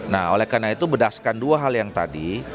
nah oleh karena itu berdasarkan dua hal yang tadi